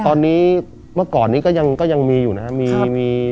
ตอนนี้เมื่อก่อนนี้ก็ยังมีอยู่นะครับ